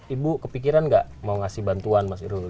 ibu kepikiran nggak mau ngasih bantuan mas irul